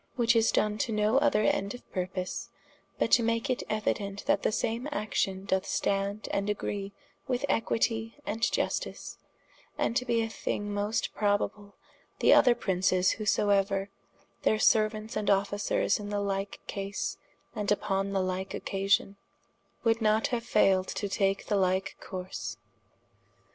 Which is done to no other end or purpose, but to make it euident that the same action doth stand & agree with equitie and iustice, and to be a thing most probable, that other Princes whosoeuer, their seruants and Officers in the like case, and vpon the like occasion, woulde not haue failed to take the like course.